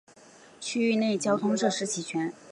区域内交通设置齐全。